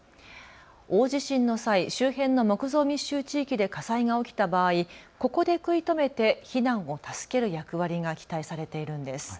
大地震の際、周辺の木造密集地域で火災が起きた場合、ここで食い止めて避難を助ける役割が期待されているんです。